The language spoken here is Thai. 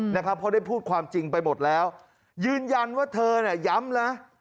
เพราะได้พูดความจริงไปหมดแล้วยืนยันว่าเธอเนี่ยย้ำนะ